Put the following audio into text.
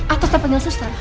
atau sampai nyalah suster